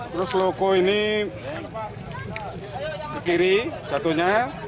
terus loko ini ke kiri jatuhnya